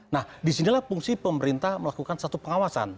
nah disinilah fungsi pemerintah melakukan satu pengawasan